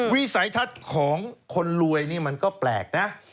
วิสัยทัศน์ของคนรวยนี่มันก็แปลกนะ